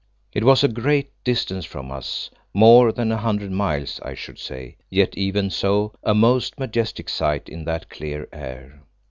It was a great distance from us, more than a hundred miles, I should say, yet even so a most majestic sight in that clear air.